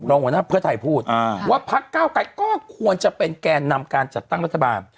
หัวหน้าเพื่อไทยพูดว่าพักเก้าไกรก็ควรจะเป็นแกนนำการจัดตั้งรัฐบาล